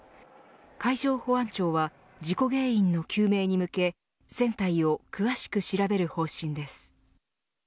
海上保安庁は事故原因の究明に向け船体を詳しく調べる方針です。